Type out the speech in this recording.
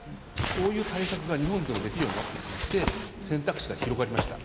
こういう対策が日本でもできるようになってきまして選択肢が広がりました。